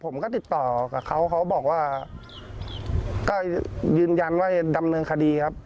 ผมก็ติดต่อกับเขาเขาบอกว่าก็ยืนยันว่าดำเนินคดีครับ